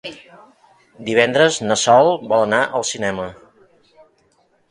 Divendres na Sol vol anar al cinema.